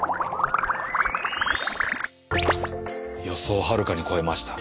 予想をはるかに超えました。